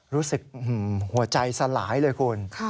รู้สึกหัวใจสลายเลยคุณ